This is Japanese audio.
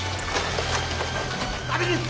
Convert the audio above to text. ダメです！